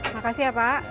makasih ya pak